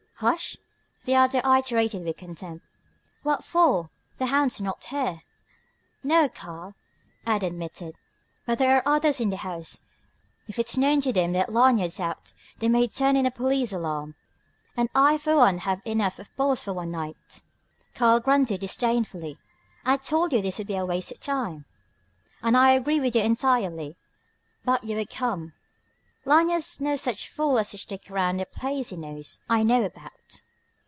"Hush?" the other iterated with contempt. "What for? The hound's not here." "No, Karl," Ed admitted; "but there are others in the house. If it's known to them that Lanyard's out, they may turn in a police alarm; and I for one have had enough of bulls for one night." Karl grunted disdainfully. "I told you this would be a waste of time...." "And I agreed with you entirely. But you would come." "Lanyard's no such fool as to stick round a place he knows I know about."